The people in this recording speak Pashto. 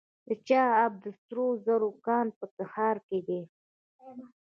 د چاه اب د سرو زرو کان په تخار کې دی.